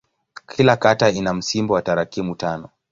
Kila kata ina msimbo wa tarakimu tano.